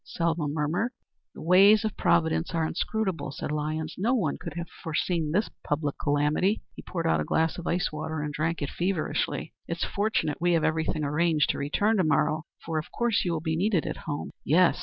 Selma murmured. "The ways of Providence are inscrutable," said Lyons. "No one could have foreseen this public calamity." He poured out a glass of ice water and drank it feverishly. "It's fortunate we have everything arranged to return to morrow, for of course you will be needed at home." "Yes.